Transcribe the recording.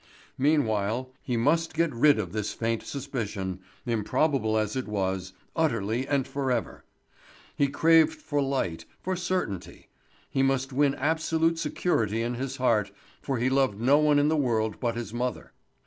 Meanwhile he must get rid of this faint suspicion, improbable as it was, utterly and forever. He craved for light, for certainty—he must win absolute security in his heart, for he loved no one in the world but his mother.